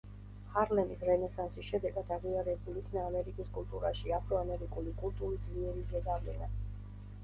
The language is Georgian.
ჰარლემის რენესანსის შედეგად აღიარებულ იქნა ამერიკის კულტურაში აფროამერიკული კულტურის ძლიერი ზეგავლენა.